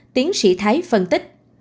tiến sĩ thái phân tích